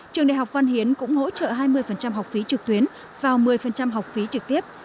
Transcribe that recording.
trường đại học văn hiến cũng hỗ trợ hai mươi học phí trực tuyến và một mươi học phí trực tiếp